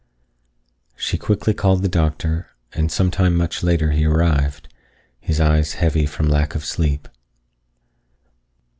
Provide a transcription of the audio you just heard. She quickly called the doctor, and sometime much later he arrived, his eyes heavy from lack of sleep.